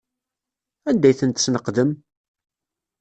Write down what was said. Anda ay tent-tesneqdem?